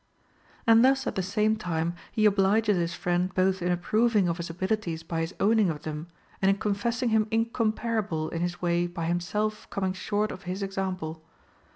And thus at the same time he obliges his friend both in approving of his abilities by his owning of them, and in confessing him incomparable in his way by himself coming short of his example.